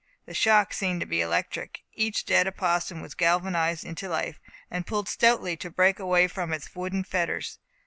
The shock seemed to be electric. Each dead opossum was galvanized into life, and pulled stoutly to break away from its wooden fetters.